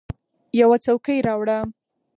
یوه څوکۍ راوړه !